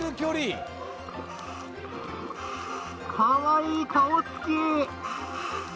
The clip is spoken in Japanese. かわいい顔つき。